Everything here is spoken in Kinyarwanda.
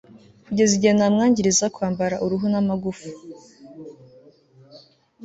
ntituzabane mu gihugu